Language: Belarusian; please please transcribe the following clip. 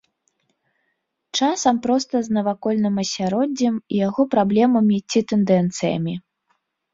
Часам проста з навакольным асяроддзем і яго праблемамі ці тэндэнцыямі.